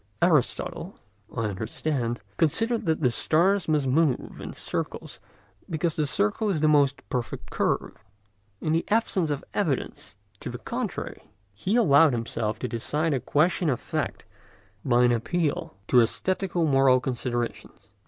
Aristotle, I understand, considered that the stars must move in circles because the circle is the most perfect curve. In the absence of evidence to the contrary, he allowed himself to decide a question of fact by an appeal to æsthetico moral considerations.